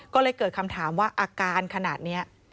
ก็เลยเกิดคำถามว่าอาการขนาดนี้